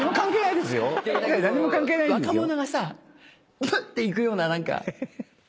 でも若者がさプッ！っていくような何か。